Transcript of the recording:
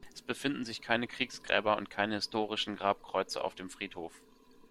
Es befinden sich keine Kriegsgräber und keine historischen Grabkreuze auf dem Friedhof.